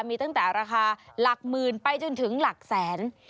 มีตั้งแต่ราคาหลักหมื่นไปจนถึงหลักแสน